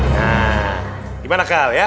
nah gimana kal ya